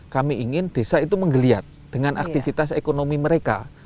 kami ingin desa itu menggeliat dengan aktivitas ekonomi mereka